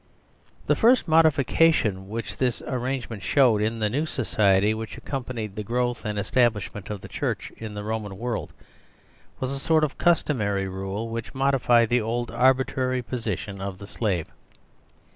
The first modification which this arrangement showed in the new society which accompanied the growth andestablishment of theChurchin the Roman world, was a sort of customary rule which modified the old arbitrary position of the Slave.